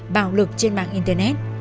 bạo lực trên mạng internet